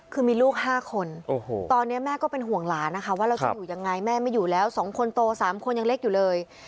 คือมีลูก๕คนตอนนี้แม่ก็เป็นห่วงหลานนะคะว่าเราจะอยู่ยังไงแม่ไม่อยู่แล้ว๒คนโต๓คนยังเล็กอยู่เลย